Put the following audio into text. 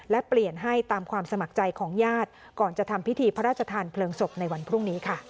และเปลี่ยนให้ตามความสมัครใจของญาติก่อนจะทำพิธีพระราชทานเพลิงศพในวันพรุ่งนี้ค่ะ